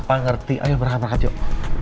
papa ngerti ayo berangkat berangkat yuk